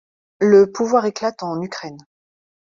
Le pouvoir éclate en Ukraine.